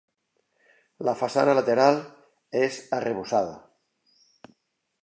La façana lateral és arrebossada.